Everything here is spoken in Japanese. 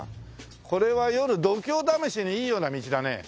これは夜度胸試しにいいような道だね。